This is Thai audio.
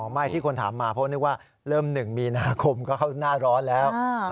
ไม่ที่คนถามมาเพราะนึกว่าเริ่ม๑มีนาคมก็เข้าหน้าร้อนแล้ว